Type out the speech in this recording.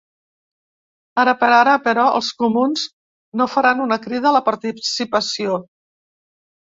Ara per ara, però, els comuns no faran una crida a la participació.